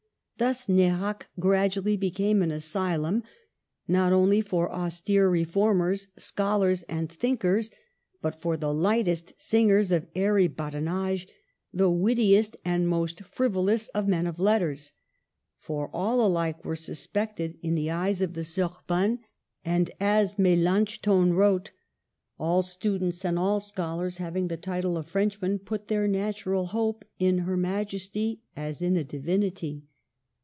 Thus Nerac gradually be came an asylum, not only for austere re formers, scholars, and thinkers, but for the lightest singers of airy badinage, the wittiest and most frivolous of men of letters. For all alike were suspected in the eyes of the 128 MARGARET OF ANGOUL^ME. Sorbonne ; and, as Melanchthon wrote, all students and all scholars having the title of Frenchmen put their natural hope in her Ma jesty as in a divinity."